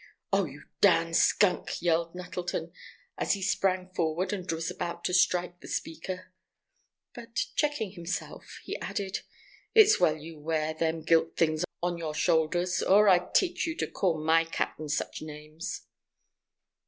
"Oh, you darn skunk!" yelled Nettleton, as he sprang forward, and was about to strike the speaker. But, checking himself, he added: "It's well you wear them gilt things on your shoulders, or I'd teach you to call my cap'n such names."